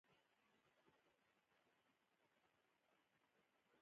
د ستنې جوړونې تولید یې په دې ډول ترسره کېده